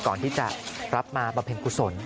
ก่อนที่จะรับมาประเพ็ญผู้สน